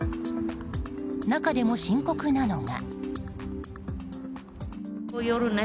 中でも深刻なのが。